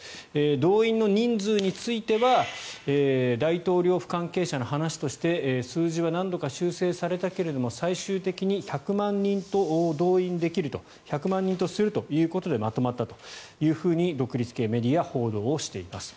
動員の人数については大統領府関係者の話として数字は何度か修正されたけど最終的に１００万人とするということでまとまったというふうに独立系メディアは報道しています。